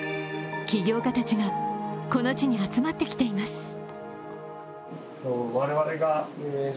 起業家たちが、この地に集まってきています。